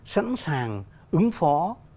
sẵn sàng ứng phó